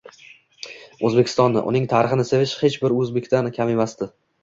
O‘zbekistonni, uning tarixini sevishi hech bir o‘zbekdan kam emasdi.